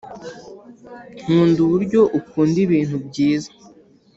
nkunda uburyo ukunda ibintu byiza